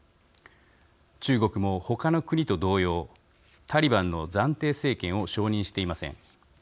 中国も他の国と同様、タリバンの暫定政権を承認していません。